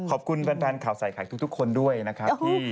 ขอบคุณแฟนข่าวใส่ไข่ทุกคนด้วยนะครับ